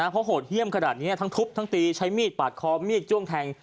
เพราะโหดเยี่ยมขนาดนี้ทั้งทุบทั้งตีใช้มีดปาดคอมีดจ้วงแทง